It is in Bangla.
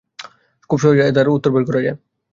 খুব সহজেই এ ধাঁধার উত্তর বের করা যায়।